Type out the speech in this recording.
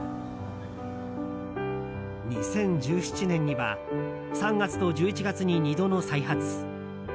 ２０１７年には３月と１１月に２度の再発。